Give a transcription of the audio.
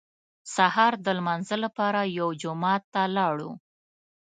سهار د لمانځه لپاره یو جومات ته لاړو.